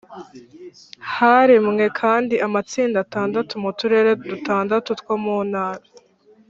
Haremwe kandi amatsinda atandatu mu uturere dutandatu two mu Ntara